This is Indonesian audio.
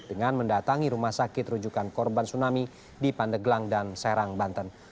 dengan mendatangi rumah sakit rujukan korban tsunami di pandeglang dan serang banten